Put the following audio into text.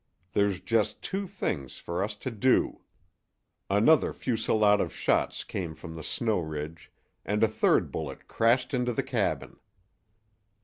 There's just two things for us to do " Another fusillade of shots came from the snow ridge, and a third bullet crashed into the cabin.